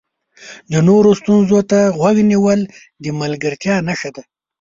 د نورو ستونزو ته غوږ نیول د ملګرتیا نښه ده.